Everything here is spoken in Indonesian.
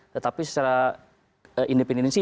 tetapi secara independensi